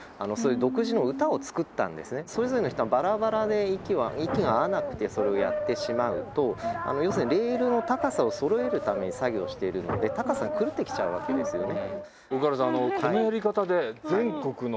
それぞれの人がバラバラで息が合わなくてそれをやってしまうと要するにレールの高さをそろえるために作業しているので高さが狂ってきちゃうわけですよね。